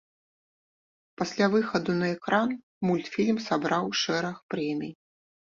Пасля выхаду на экран мультфільм сабраў шэраг прэмій.